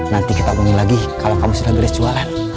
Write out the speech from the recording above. nanti kita omongin lagi kalau kamu sudah beres jualan